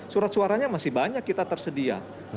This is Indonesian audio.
surat suaranya masih banyak kita tersedia